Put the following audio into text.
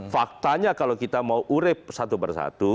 faktanya kalau kita mau urep satu persatu